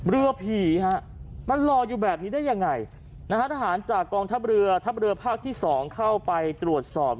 เรือผีฮะมันลอยอยู่แบบนี้ได้ยังไงนะฮะทหารจากกองทัพเรือทัพเรือภาคที่๒เข้าไปตรวจสอบ